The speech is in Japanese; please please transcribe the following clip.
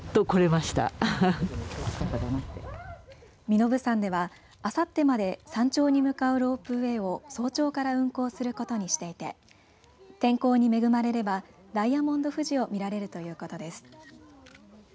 身延山では、あさってまで山頂に向かうロープウエーを早朝から運行することにしていて天候に恵まれればダイヤモンド富士を見られるということです。